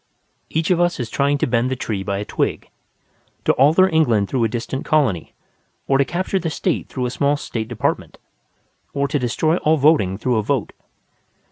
Each of us is trying to bend the tree by a twig: to alter England through a distant colony, or to capture the State through a small State department, or to destroy all voting through a vote.